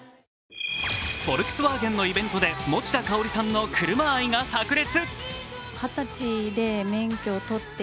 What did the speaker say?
フォルクスワーゲンのイベントで持田香織さんの車愛がさく裂。